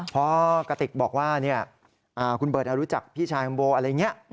เพราะกระติกบอกว่าคุณเบิร์ตรู้จักพี่ชายของโบอะไรอย่างนี้